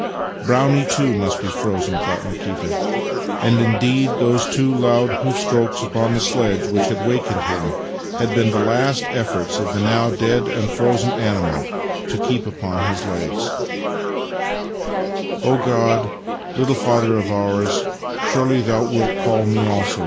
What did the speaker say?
" Brownie too must be frozen," thought Nikita. And, indeed, those two loud hoof strokes upon the sledge which had awakened him had been the last efforts of the now dead and frozen animal to keep upon his less Master and Man 63 ' God, Little Father of ours, surely thou wilt call me also?